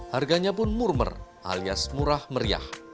harganya pun murmer alias murah meriah